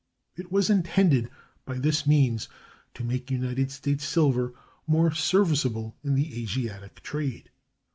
It was intended by this means to make United States silver more serviceable in the Asiatic trade.